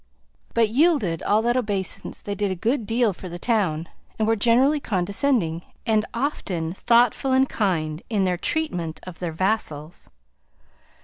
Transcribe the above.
But, yielded all that obeisance, they did a good deal for the town, and were generally condescending, and often thoughtful and kind in their treatment of their vassals.